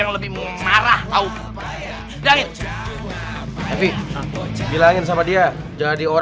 lebih langit sama dia jadi